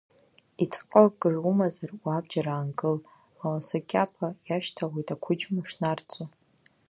Иҭҟьо акыр умазар, уабџьар аанкыл, ауасакьаԥа иашьҭалоит ақәыџьма шнарцо.